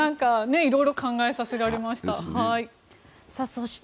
色々考えさせられました。